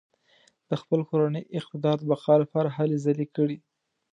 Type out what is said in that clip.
د خپل کورني اقتدار د بقا لپاره هلې ځلې کړې.